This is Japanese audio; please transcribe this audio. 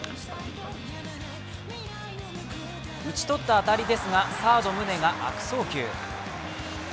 打ち取ったあたりですがサード・宗が悪送球。